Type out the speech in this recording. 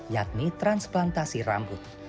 yakni transplantasi rambut